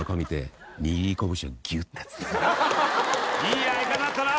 いい相方だったな。